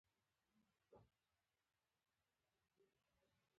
هیلۍ د ټولنیز ژوند درلودونکې ده